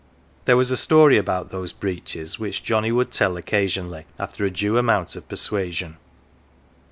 There was a story about those breeches which Johnnie would tell occasionally, after a due amount of persuasion.